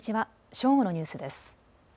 正午のニュースです。